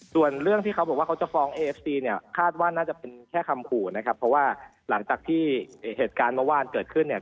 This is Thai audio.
ส่วนเรื่องที่เขาบอกว่าเขาจะฟ้องเอฟซีเนี่ยคาดว่าน่าจะเป็นแค่คำขู่นะครับเพราะว่าหลังจากที่เหตุการณ์เมื่อวานเกิดขึ้นเนี่ย